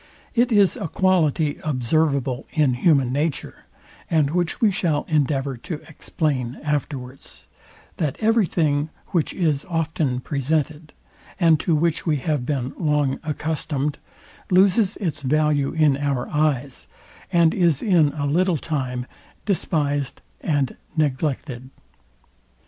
It is a quality observable in human nature, and which we shall endeavour to explain afterwards, that every thing, which is often presented and to which we have been long accustomed, loses its value in our eyes, and is in a little time despised and neglected.